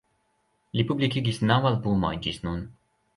Li publikigis naŭ albumojn ĝis nun.